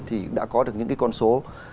thì đã có được những cái con số